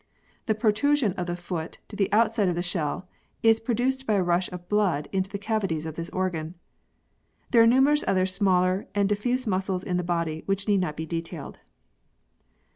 The protrusion of the foot to the outside of the shell is produced by a rush of blood into the cavities of this organ. There are numerous other smaller and diffuse muscles in the body which need not be detailed.